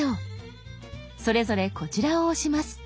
それぞれこちらを押します。